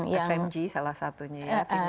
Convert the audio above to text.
fmg salah satunya ya